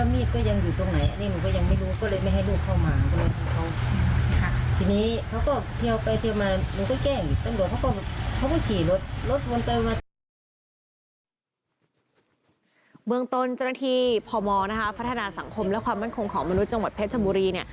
เมืองตนเจ้าหน้าที่พมพัฒนาสังคมและความมั่นคงของมนุษย์จังหวัดเพชรชบุรีเนี่ย